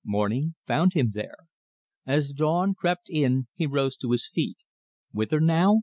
Morning found him there. As dawn crept in he rose to his feet. "Whither now?"